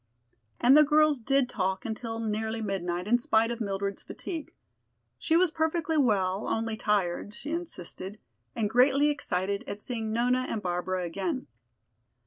And the girls did talk until nearly midnight in spite of Mildred's fatigue. She was perfectly well, only tired, she insisted, and greatly excited at seeing Nona and Barbara again.